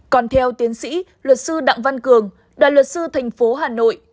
còn theo tiến sĩ luật sư đặng văn cường đoàn luật sư thành phố hà nội